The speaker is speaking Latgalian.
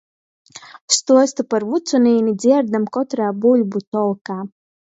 Stuostu par Vucinīni dzierdim kotrā buļvu tolkā.